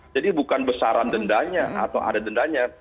jadi bukan besaran dendanya atau ada dendanya